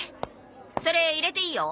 それ入れていいよ。